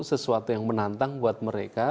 sesuatu yang menantang buat mereka